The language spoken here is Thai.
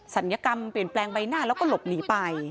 ยกรรมเปลี่ยนแปลงใบหน้าแล้วก็หลบหนีไป